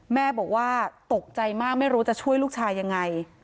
แม่บอกว่าตกใจมากไม่รู้จะช่วยลูกชายยังไง